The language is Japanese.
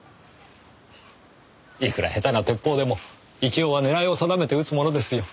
いくら下手な鉄砲でも一応は狙いを定めて撃つものですよ。